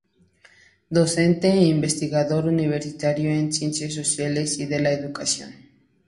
Docente e investigador universitario en ciencias sociales y de la educación.